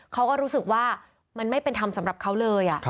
เขาก็รู้สึกว่ามันไม่เป็นธรรมสำหรับเขาเลย